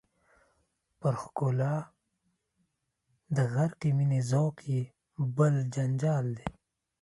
پر ښکلا د غرقې مینې ذوق یې بل جنجال دی.